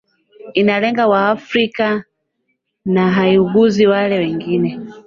inalenga waafrika na haiguzi wale wengine